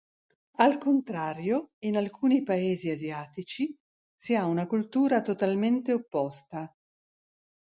Al contrario, in alcuni Paesi asiatici, si ha una cultura totalmente opposta.